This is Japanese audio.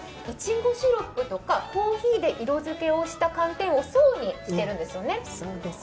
いちごシロップとかコーヒーで色付けをした寒天を層にしているんですよね。